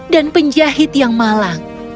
dan penjahit yang malang